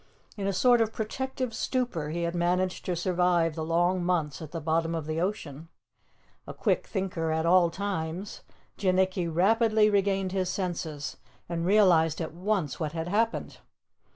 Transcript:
In a sort of protective stupor he had managed to survive the long months at the bottom of the ocean. A quick thinker at all times, Jinnicky rapidly regained his senses and realized at once what had happened.